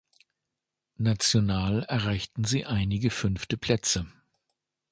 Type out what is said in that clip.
National erreichten sie einige fünfte Plätze.